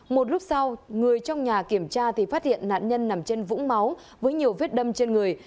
một lúc sau người trong nhà kiểm tra thì phát hiện nạn nhân nằm trên vũng máu với nhiều vết đâm trên người